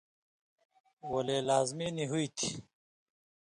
ولے لازمی نی ہُوئ تھی۔